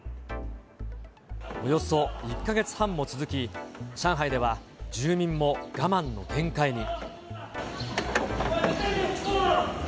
およそ１か月半も続き、上海では住民も我慢の限界に。